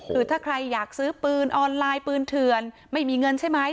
คือถ้าใครอยากซื้อปืนออนไลน์ปืนเถื่อนไม่มีเงินใช่ไหม